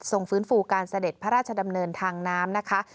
ฟื้นฟูการเสด็จพระราชดำเนินทางน้ำนะคะ